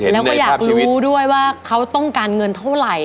แล้วก็อยากรู้ด้วยว่าเขาต้องการเงินเท่าไหร่